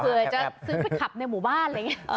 เผื่อจะซื้อไปขับในหมู่บ้านอะไรอย่างนี้